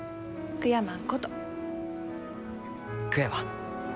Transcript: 悔やまん。